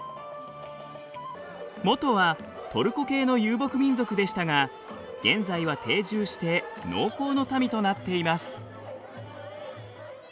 元はトルコ系の遊牧民族でしたが現在は定住して農耕の民となっています。